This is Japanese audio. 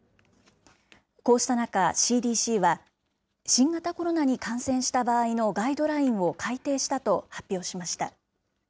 こうした中、ＣＤＣは、新型コロナに感染した場合のガイドラインを改定したと発表しました。